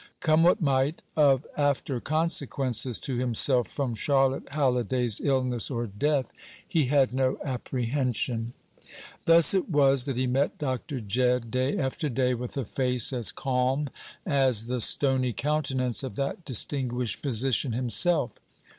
Come what might, of after consequences to himself from Charlotte Halliday's illness or death he had no apprehension. Thus it was that he met Dr. Jedd day after day with a face as calm as the stony countenance of that distinguished physician himself.